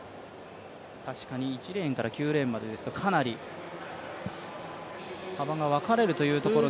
確かに１レーンから９レーンまでですと、かなり幅が分かれるというところで。